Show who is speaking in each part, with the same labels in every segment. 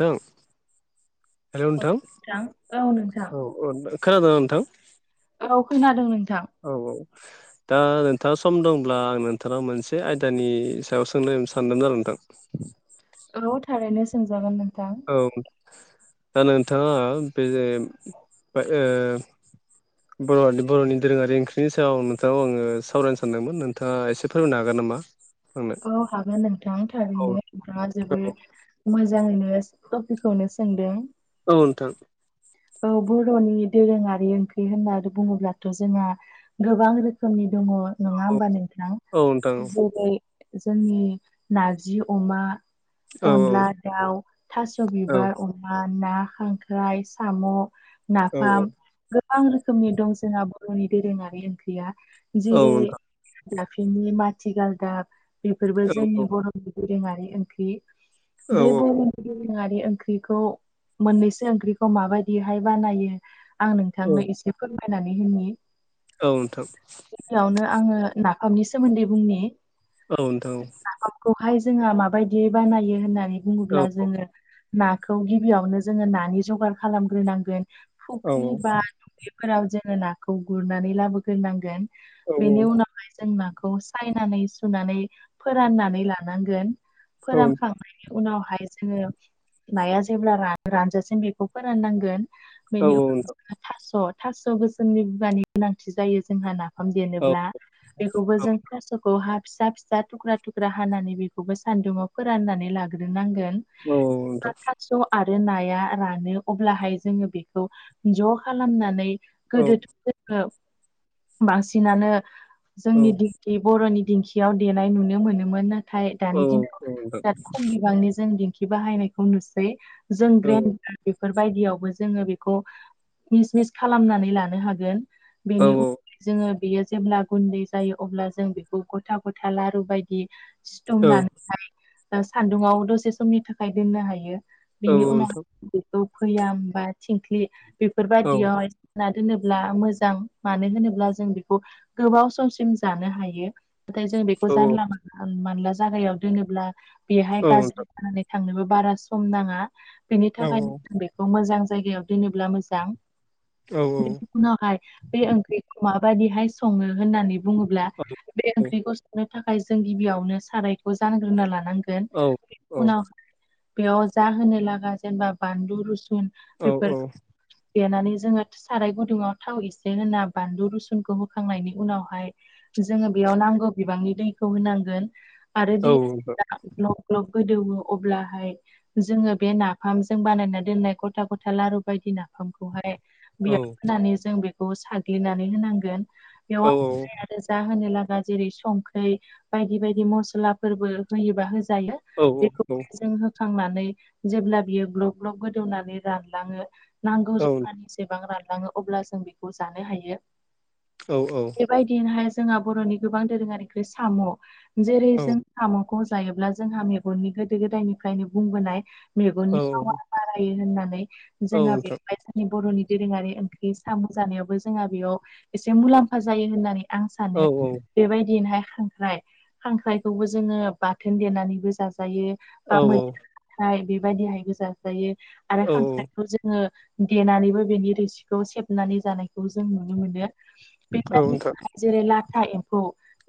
Speaker 1: थां हेलौ नोंथां!
Speaker 2: औ नोंथां
Speaker 1: औ औ खोनादोंना नोंथां?
Speaker 2: औ खोनादों नोंथां।
Speaker 1: औ औ। दा नोंथाङा सम दंब्ला आं नोंथांनाव मोनसे आयदानि सायाव सोंनो सानदोंमोन आरो नोंथां! [inaudible]
Speaker 2: औ थारैनो सोंजागोन नोंथां।
Speaker 1: औ दा नोंथाङा बे ओ बर' बर'नि दोरोङारि ओंख्रिनि सायाव नोंथांनाव आङो सावरायनो सानदोंमोन नोंथाङा एसे फोरमायनो हागोन नामा? [unintelligible]
Speaker 2: औ हागोन नोंथां
Speaker 1: औ
Speaker 2: थारैनो। नोंथाङा जोबो मोजाङैनो टपिकखौनो सोंदों।
Speaker 1: औ नोंथां
Speaker 2: औ बर'नि दोरोङारि ओंख्रि होननानै बुङोब्लाथ' जोंहा गोबां रोखोमनि दङ नङा
Speaker 1: औ
Speaker 2: होमबा नोंथां!
Speaker 1: औ नोंथां
Speaker 2: जेरै जोंनि नारजि अमा
Speaker 1: औ
Speaker 2: अनला दाउ थास'
Speaker 1: औ
Speaker 2: बिबार अमा ना खांख्राय साम'
Speaker 1: औ
Speaker 2: नाफाम गोबां रोखोमनि दं जोंहा बर'नि दोरोङारि ओंख्रिया
Speaker 1: औ
Speaker 2: जेरै-
Speaker 1: नोंथां
Speaker 2: दाफिनि माथि गालदाब बेफोरबो
Speaker 1: औ
Speaker 2: जोंनि बर' दोरोङारि ओंख्रि
Speaker 1: औ
Speaker 2: बे बर'नि दोरोङारि ओंख्रिखौ मोननैसो ओंख्रिखौ माबायदिहाय बानायो आं नोंथांनो एसे फोरमायनानै होनि
Speaker 1: औ नोंथां
Speaker 2: बेयावनो आङो नाामनि सोमोन्दै बुंनि
Speaker 1: औ नोंथां औ
Speaker 2: खौहाय जोंहा माबायदि बानायो होननानै
Speaker 1: औ
Speaker 2: बुङोब्ला जोङो नाखौ गिबियावनो जोङो नानि जगार खालामग्रोनांगोन
Speaker 1: औ
Speaker 2: फुख्रि बा फोराव जोङो नाखौ गुरनानै लाबोग्रोनांगोन
Speaker 1: औ
Speaker 2: बेनि उनावहाय जों नाखौ खौ सायनानै सुनानै फोराननानै लानांगोन
Speaker 1: औ नोंथां औ
Speaker 2: फोरानखां नायनि उनावहाय जोङो नाया जेब्ला रानजासिम बेखौ फोराननांगोन बेनि उनाव जोंहा थास' थास' गोसोमनि बिगानि गोनांथि जायो जोंहा ना फाम
Speaker 1: औ
Speaker 2: देनोब्ला बेखौबो जों थास'खौ हा फिसा फिसा थुख्रा थुख्रा हानानै बेखौबो सान्दुुंआव फोराननानै लाग्रोनांगोन
Speaker 1: औ नोंथां
Speaker 2: ना थास' आरो नाया रानो अब्लाहाय जोङो बेखौ ज' खालामनानै
Speaker 1: औ
Speaker 2: गोदोथ' ओ बांसिनानो
Speaker 1: औ
Speaker 2: जोंनिदि खि बर'नि दिंखियाव देनाय नुनो मोनोमोन ना थाय
Speaker 1: औ
Speaker 2: दानि दिनाव
Speaker 1: औ नोंथां
Speaker 2: बिराद खम बिबांनि जों दिंखि बाहायनायखौ नुसै जों
Speaker 1: औ
Speaker 2: ग्रेन्ड बेफोरबायदियावबो जोङो बेखौ मिसमिस खालामनानै लानो हागोन
Speaker 1: औ
Speaker 2: बेनि उन जोङो बेयो जेब्ला गुन्दै जायो अब्ला जों बेखौ गथा गथा लारु बायदि
Speaker 1: औ
Speaker 2: सिथुमनानैहाय सान्दुंआव दसे समनि थाखाय दोननो हायो
Speaker 1: औ
Speaker 2: बेनि उनाव
Speaker 1: नोंथां
Speaker 2: बेखौ फैयाम बा थिंख्लि
Speaker 1: औ
Speaker 2: बेफोरबायाददियावहाय ना दोनोब्ला मोजां मानो होनोब्ला जों बेखौ गोबाव समसिम जानो हायो नाथाय जों बेखौ
Speaker 1: औ
Speaker 2: जानला मानला जागायाव दोनोब्ला बेहाय
Speaker 1: औ
Speaker 2: गाज्रि
Speaker 1: नोंथां
Speaker 2: जानानै थांनोबो बारा सम नाङा बेनि थाखायनो जों बेखौ मोजां जायगायाव दोनोब्ला मोजां
Speaker 1: औ औ
Speaker 2: बेनि उनावहाय बे ओंख्रिखौ माबाददिहाय सङो होननानै बुङोब्ला बे ओंख्रिखौ संनो थाखाय जों गिबियावनो सारायखौ जानग्रोना लानांगोन उनावहाय बेयाव जाहोनो लागा जेनेबा बानलु रुसुन
Speaker 1: औ
Speaker 2: बेफोर देनानै जोङो साराय गुदुङाव थाव एसे होना बानलु रुसुनखौ होखांनायनि उनावहाय जोङो बेयाव नांगौ बिबांनि दैखौ होनांगोन आरो
Speaker 1: नोंथां
Speaker 2: दैया ग्लब ग्लब गोदौवो अब्लाहाय जोङो बे नाफाम जों बानायनानै दोननाय गथा गथा लारु बायदि नाफामखौहाय बेयाव
Speaker 1: औ
Speaker 2: होनानै जों बे खौ साग्लिनानै होनांगोन
Speaker 1: औ
Speaker 2: बेयाव
Speaker 1: नोंथां औ नोंथां औ
Speaker 2: आरो जों जा होनो लागा जेरै संख्रि बायदि बायदि मसलाफोरबो होयोबा होजायो
Speaker 1: औ नोंथां औ औ नोंथां औ
Speaker 2: बेखौनो जों होखांनानै जेब्ला बियो ग्लब ग्लब गोदौनानै रानलाङो नांगौ
Speaker 1: नोंथां औ औ
Speaker 2: जखानिसेबां रानलाङो अब्ला जों बेखौ जानो हायो
Speaker 1: औ औ
Speaker 2: बेबायदिनोहाय जोंहा बर'नि गोबां दोरोङारि ओंख्रि साम' जेरै जों साम'खौ जायोब्ला जोंहा मेगननि गोदो गोदायनिफ्रायनो बुंबोनाय मेग
Speaker 1: औ
Speaker 2: बारायो होननानै जोंहा बेखौहाय जा बर'नि दोरोङारि ओंख्रि साम' जानायावबो जोंहा बेयाव एसे मुलाम्फा जायो होननानै आं सानो बेबायदिनोहाय खांख्राइ खांख्राइखौबो जोङो बाथोन देरनानैबो जाजायो बा मैथा खांख्राय बेबायदिहायबो जाजायो आरो खांख्रायखौ जों ङो देनानैबो बेनि रोसिखौ सेबनानै जानायखौ जों नुनो मोनो बेबायदि जेरै लाथा एम्फौ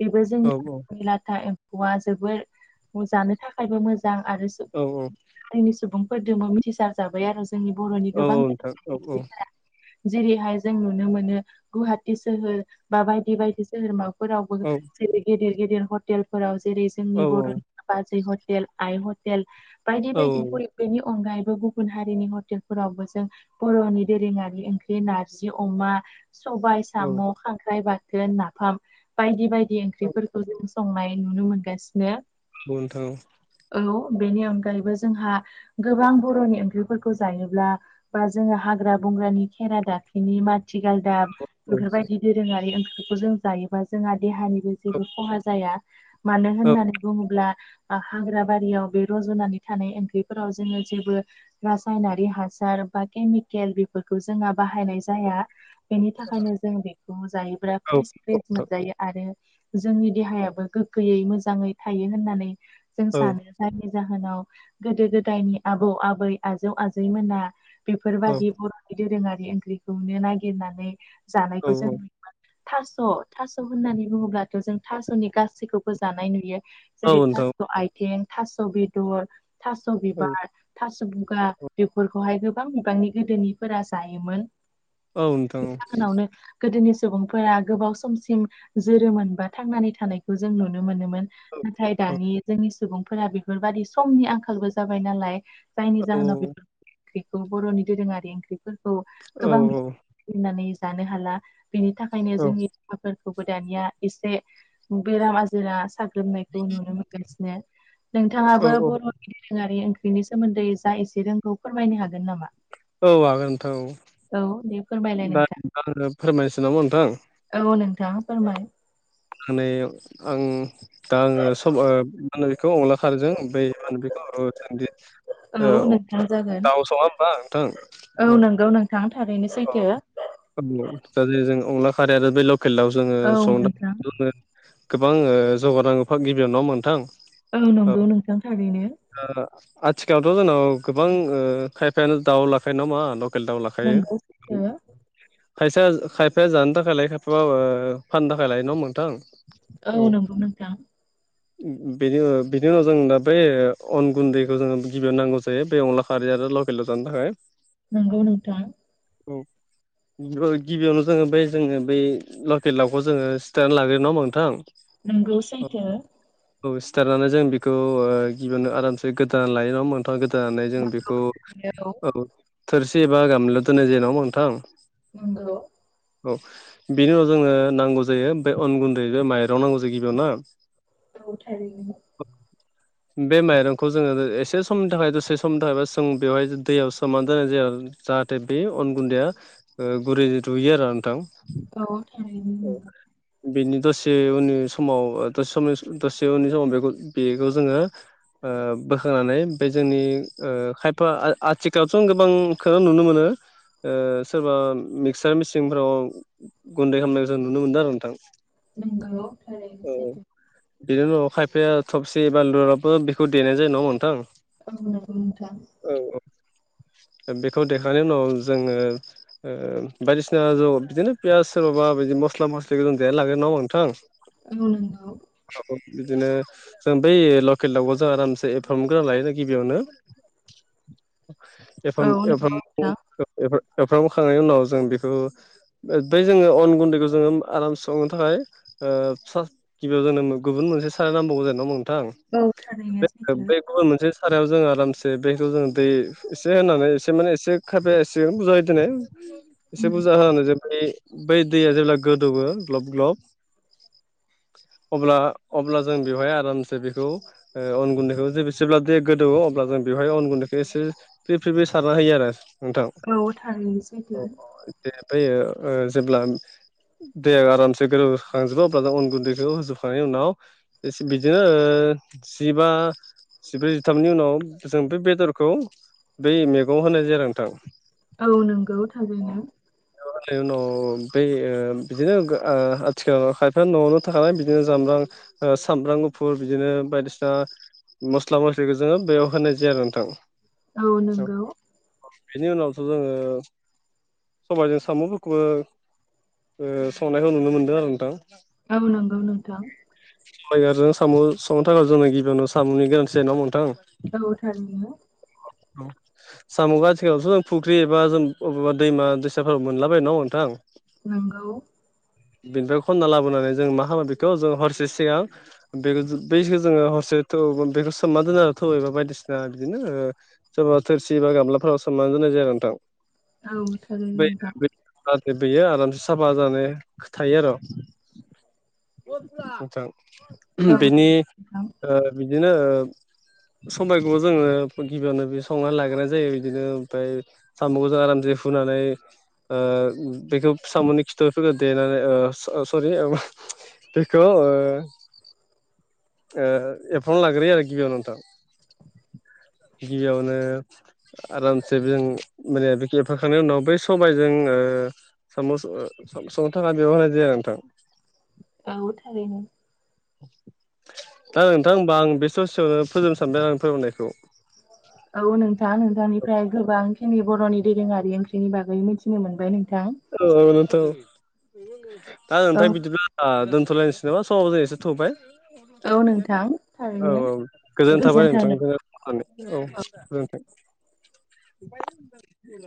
Speaker 2: बेबो जोंनि लाथा एम एमफौआ जोबोर जानो थाखायबो मोजां आरो
Speaker 1: औ औ
Speaker 2: हारिनि सुबुंफोरजोंबो मिथिसार जाबाय आरो जोंनि बर'नि गोबां ओंख्रिफोरा जेरैहाय जों नुनो मोनो गुवाहाटि सोहोर बा बायदि बायदि सोहोरोमाफोरावबो जेरै गेदेर गेदेर हटे हटेलफोराव जेरै जोंनि बर'नि बाजै हटेल आइ हटेल बायदि बायदि बेनि अनगायैबो गुबुन हारिनि हटेलफोरावबो जों बर'नि दोरोङारि ओंख्रि नारजि अमा सबाइ साम' खांख्राइ बाथोन नाफाम बायदि बायदि ओंख्रिफोरखौ जों संनाय नुनो मोनगासिनो
Speaker 1: औ नोथां औ
Speaker 2: औ बेनि अनगायैबो जोंहा गोबां बर'नि ओंख्रिफोरखौ जायोब्ला बा जोङो हाग्रा बंग्रानि खेरा दाफिनि माथिगालदाब बेफोर बायदि दोरोङारि ओंख्रिखौ जों जायोबा जोंहा देहानिबो जेबो खहा जाया मानो होननानै बुङोब्ला ओ हाग्रा बारियाव बे रज'नानै थानाय ओंख्रि फोराव जोङो जेबो रासायनारि हासार बा केमिकेल बेफोरखौ जोंहा बाहायनाय जाया बेनि थाखायनो जों बेखौ जायोब्ला फ्रेस फ्रेस मोनजायो आरो जोंनि देहायाबो गोग्गोयै मोजाङै थायो होननानै जों सानो जायनि जाहोनाव गोदो गोदायनि आबौ आबै आजौ आजैमोना बेफोरबादि बर'नि दोरोङारि ओंख्रिखौनो नागिरनानै जानायखौ जों थास' थास' होननानै बुङोब्लाथ' जों थास'नि गासैखौबो जानाय नुयो
Speaker 1: औ
Speaker 2: जेरै
Speaker 1: नोंथां
Speaker 2: थास' आइथें थास' बेदर थास'
Speaker 1: औ
Speaker 2: बिबार थास' बुगा बेफोरखौहाय गोबां मुगानि गोदोनिफोरा जायोमोन
Speaker 1: औ नोंथां
Speaker 2: जाहोनावनो गोदोनि सुबुंफोरा गोबाव समसिम जोरोमोन बा थांनानै थानायखौ जों नुनो मोनोमोन नाथाय
Speaker 1: औ
Speaker 2: दानि जोंनि सुबुंफोरा बेफोरबादि समनि आंखालबो जाबाय नालाय जायनि जाहोनाव बेफोर ओंख्रिखौ बर'नि दोरोङारि ओंख्रिफोरखौ
Speaker 1: औ
Speaker 2: गोबां बुथुनानै जानो हाला बिनि थाखायनो
Speaker 1: औ
Speaker 2: जोंनि फोरखौबो दानिया एसे बेराम आजिरा साग्लोबनायखौ नुनो मोनो [unintelligible]
Speaker 1: औ
Speaker 2: नोंथाङाबो बर' दोरोङारि ओंख्रिनि सोमोन्दै जा एसे रोंगौ फोरमायनो हागोन नामा
Speaker 1: औ हागोन नोंथां औ
Speaker 2: औ दे फोरमायलाय
Speaker 1: दा
Speaker 2: नोंथां
Speaker 1: आङो फोरमायनोसै नामा नोंथां
Speaker 2: औ नोंथां फोरमाय
Speaker 1: होनानै आं दा आङो सब ओ मा होनो बिखौ अनला खारैजों ओमफ्राय मा होनो बिखौ र जोंदि औ
Speaker 2: नोंथां जागोन
Speaker 1: दाउ सङा होमबा नोंथां औ
Speaker 2: थां थारैनो
Speaker 1: औ
Speaker 2: सैथो
Speaker 1: दा जे जों अनला खारै आरो बे लकेल दाव जोङो
Speaker 2: औ
Speaker 1: सं
Speaker 2: नोंथां
Speaker 1: गोबां ओ जगार नांगौ गिबियाव नङा होनबा नोंथां
Speaker 2: औ नंगौ नोंथां थारैनो
Speaker 1: आथिखालावथ' जोंनाव गोबां खायफायानो दाउ लाखायो नङा होनबा लकेल दाव लाखायो
Speaker 2: नंगौ सैथो
Speaker 1: खायफाया खायफाया जानो थाखाय लायो खायफा फाननो थाखाय लायो नङा होनबा नोंथां
Speaker 2: औ नंगौ नोंथां
Speaker 1: बेनि बिनि उनाव जों दा बेै अन गुन्दैखौ जोंङो गिबियाव नांगौ जायो बे अनलाखौ खारि आरो लकेल दाव जानो थाखाय
Speaker 2: नोंगौ नोथां
Speaker 1: औ गिबियावनो जोङो बे जोङो बै लकेल लावखौ जोङो सिथारनानै लाग्रो नङा होनबा नोंथां
Speaker 2: नोंगौ सैथो
Speaker 1: औ सिथारनानै जों बेखौ गिबियावनो आरामसे गोदानानै लायो नङा होनबा नोंथां गोदानानै जों बेखौ औ थोरसि एबा गामला दोननाय जायो नङा होनबा नौंथां
Speaker 2: नोंगौ
Speaker 1: औ बेनि उनाव जोङो नांगौ जायो बेफ्राय अन गुन्दै बे माइरं नांगौ जायो गिबियाव ना
Speaker 2: औ थारि
Speaker 1: बे माइरंखौ जोङो एसे समनि थाखाय दसे समनि थाखायबा जों बेवहाय दैयाव सोमानै दोननाय जाया जा नाथाय बे अन गुन्दैाया गुरै रुयो आरो नोंथां
Speaker 2: औ
Speaker 1: बेनि दसे उननि समाव दसे समनि दसे उननि समाव बेखौ बेखौ जोङो बोखोनानै बे जोंनि खायफा आथिखालावथ' गोबांखौ नुनो मोनो सोरबा मिक्चार मेचनफ्राव गुन्दै खालामनायखौ जों नुनो मोनदों आरो नोंथां
Speaker 2: नोंगौ
Speaker 1: औ
Speaker 2: थारायनोसै
Speaker 1: बिनि उनाव खायफाया थबसे बानलुराबबो बेखौ देनाय जायो ना मोनथां
Speaker 2: औ नोंथां
Speaker 1: औ औ बेखौ देखांनायनि उनाव जोङो बायदिसिना ज' बिदिनो पियस सोरबाबा बिदि मस्ला मस्लि गो जों देना लाग्रोन नांगौ नोंथां
Speaker 2: औनोंगौ
Speaker 1: बिदिनो जों बै लकेल दउआव जों आरामसे एवफ्राम गोरना लायो गिबियावनो एफ
Speaker 2: औ नंगौ नोंथां
Speaker 1: एफ एरफ्रामबोखांनायनि उनाव जों बेखौ बै जोङो अन गुन्दैखौ जोङो आराम संनो थाखाय ओ गिबियाव जेनोम गुबुन मोनसे साराया नांबावौ जेन नामा नोंथां
Speaker 2: औ थानायनाय जैथ
Speaker 1: बे गुबुन मोनसे सारायाव जोङो आरामसे बे जोङो दै एसे होनानै एसे माने एसे खायफाया एसेगोन बुरजा होदिनो एसे
Speaker 2: नंगौ
Speaker 1: बुरजा होनानो जायो बै दैया जेब्ला गोदौओ ग्लब ग्लब अब्ला अब्ला जों बेवहाय आरामसे बेखौ अन गुन्दैखौ जेसेेब्ला देग गोदौ अब्ला जों बेवहाय अन गुन्दैखौ एसे फ्रि फ्रि बे सारना होयो आरो नोंथां
Speaker 2: औ थारैनोसै
Speaker 1: बेफ्रायो जेब्ला दैेहा आरामसे गोरोबखांजोबो अब्ला अन गुन्दैखौ होजोबखांनायनि उनाव एसे बिदिनो ओ जिबा जिब्रै जिथामनि उनाव जों बे बेदरखौ बै मेगं होनाय जाया नोंथां
Speaker 2: औ नंगौ थारैनो
Speaker 1: बेनि उनाव बै बिदिनो आथिखालाव खायफा न'आवनो थाखाबाय बिदिनो जाम्ब्राम ओ सामब्राम गुफुर बिदिनो बायदिसिना मस्ला मस्लिखौ जोङो बेयाव होनाय जाया आरो नोंथां
Speaker 2: औ नंगौ
Speaker 1: बेनि उनावसो जोङो सबाइजों साम'फोरखौबो ओ संनायखौ नुनो मोनदों आरो नोंथां
Speaker 2: औ नंगौ नोंथां
Speaker 1: टाइगारजों साम' संनो थाखाय जोंनो गिबियावनो साम'नि गोनांथि जायो नङा होमबा नोंथां
Speaker 2: औ थारैनो
Speaker 1: साम'खौ आथिखालावथ' जों फुख्रि एबा जों बबेबा दैमा दैसाफोराव मोनलाबायो नङा होमबा नोंथां
Speaker 2: नोंगौ
Speaker 1: बिनिफ्राय खनना लाबोनानै जों मा खालामो बेखौ जों हरसे सिगां बे बैखौ जोङो हरसे थौ बेखौ सोमना दोनो आरो थौ एबा बायदिसिना बिदिनो सोरबा थोरसि एबा गामलाफोराव सोमनानै दोननाय जायो नोंथां [inaudible]
Speaker 2: थारैनो नोंथां।
Speaker 1: जाहाथे बेयो आरामसे साफा जानो खो थायो आर' [unintelligible] नोंथां
Speaker 2: औ
Speaker 1: बेनि ओ बिदिनो सबायखौबो जोङो गिबियावनो बि संनानै लाग्रोनाय जायो बिदिनो ओमफ्राय साम'खौ जों आरामसे हुनानै ओ बेखौ साम'नि खिथुफोरखौ देनानै ओ अ सरि बेखौ ओ ओ एफंना लाग्रोयो आरो गिबियावनो नोंथां। गिबियावनो आरामसे जों माने बे एफाखांनायनि उनाव बै सबायजों ओ साम' स-स-संनो थाखाय बेयाव होनाय जाया नोंथां
Speaker 2: औ थारैनो
Speaker 1: दा नोंथां होनबा आं बे ससेयावनो फोजोबनो सानबाय आंनि फोरोंनायखौ
Speaker 2: औ नोंथां नोंथांनिफ्राय गोबांखिनि बर'नि दोरोङारि ओंख्रिनि बागै मिथिनो मोनबाय नोंथां।
Speaker 1: औ औ नोंथां औ। दा
Speaker 2: औ
Speaker 1: नोंथाङा बिदिब्ला आ दोनथ'लायनोसै नामा समाबो जों एसे थौबाय
Speaker 2: औ नोंथां
Speaker 1: औ औ
Speaker 2: थारैनो
Speaker 1: गोजोन थाबाय
Speaker 2: गोजोनथों नों
Speaker 1: नोंथांखौ औ गोजोनथों [inaudible]